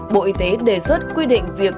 bộ y tế đề xuất quy định việc